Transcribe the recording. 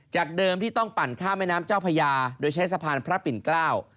เดิมที่ต้องปั่นข้ามแม่น้ำเจ้าพญาโดยใช้สะพานพระปิ่นเกล้า